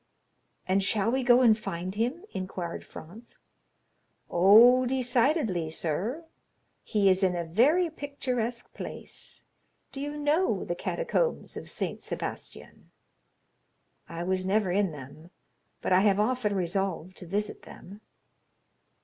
"And shall we go and find him?" inquired Franz. "Oh, decidedly, sir. He is in a very picturesque place—do you know the catacombs of St. Sebastian?" "I was never in them; but I have often resolved to visit them."